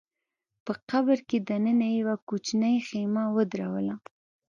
په قبر کي دننه يې يوه کوچنۍ خېمه ودروله